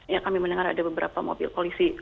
ya kami mendengar ada beberapa mobil polisi